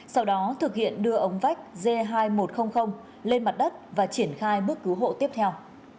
sau đó thực hiện đưa ống vách g hai nghìn một trăm linh lên mặt đất và triển khai bước cứu hộ tiếp theo